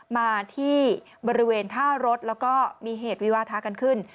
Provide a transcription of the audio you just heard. มาที่บริเวณท่ารถแล้วก็มีเหตุวิวาทะกันขึ้น